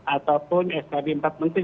ataupun skb empat menteri